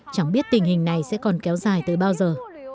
chẳng biết tình hình này sẽ còn kéo dài từ bao giờ